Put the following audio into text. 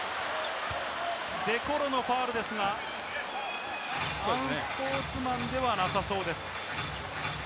デ・コロのファウルですが、スポーツマンではなさそうです。